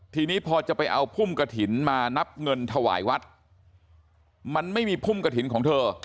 ทีนี้พอจะไปเอาพุ่มกระถิ่นมานับเงินถวายวัดมันไม่มีพุ่มกระถิ่นของเธอ